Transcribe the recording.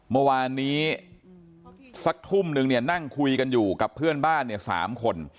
เมื่อวานนี้สักทุ่มนึงเนี่ยนั่งคุยกันอยู่กับเพื่อนบ้านเนี่ย๓คน